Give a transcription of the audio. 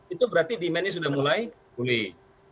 itu berarti demand nya sudah mulai pulih